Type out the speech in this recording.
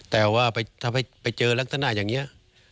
แต่ว่าถ้าไปเจอลักษณะอย่างนี้